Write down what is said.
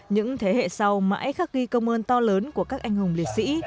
những thế hệ sau mãi khắc ghi công ơn to lớn của các anh hùng liệt sĩ